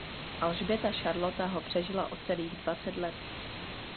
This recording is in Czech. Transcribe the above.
Alžběta Šarlota ho přežila o celých dvacet let.